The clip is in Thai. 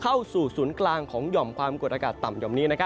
เข้าสู่ศูนย์กลางของหย่อมความกดอากาศต่ำห่อมนี้